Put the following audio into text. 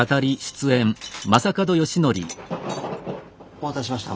お待たせしました。